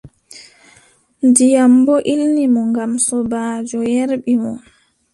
Ndiyam boo ilni mo ngam sobaajo yerɓi mo.